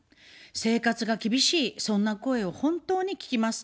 生活が厳しい、そんな声を本当に聞きます。